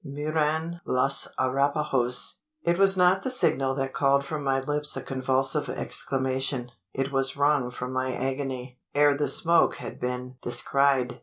mueran los Arapahoes!" It was not the signal that called from my lips a convulsive exclamation. It was wrung from my agony, ere the smoke had been descried.